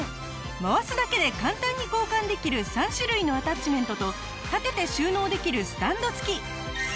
回すだけで簡単に交換できる３種類のアタッチメントと立てて収納できるスタンド付き。